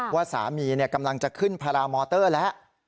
ว่าสามีกำลังจะขึ้นพารามอเตอร์แล้ว